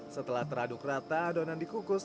setelah teraduk rata adonan dikukus